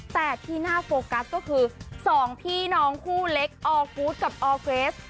แต่ที่น่าโฟกัสก็คือ๒พี่น้องคู่เล็กออกูธกับออร์เกรส